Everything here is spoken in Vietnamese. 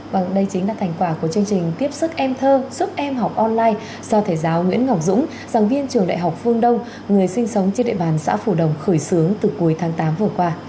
vâng đây chính là thành quả của chương trình tiếp sức em thơ giúp em học online do thầy giáo nguyễn ngọc dũng giảng viên trường đại học phương đông người sinh sống trên địa bàn xã phù đồng khởi xướng từ cuối tháng tám vừa qua